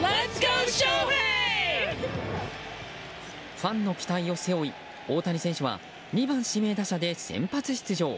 ファンの期待を背負い大谷選手は２番指名打者で先発出場。